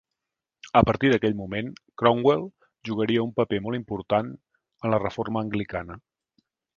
A partir d'aquell moment Cromwell jugaria un paper molt important en la reforma anglicana.